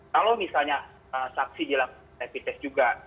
kalau misalnya saksi dilakukan rapid test juga